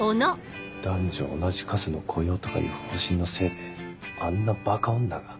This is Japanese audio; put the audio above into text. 男女同じ数の雇用とかいう方針のせいであんなばか女が。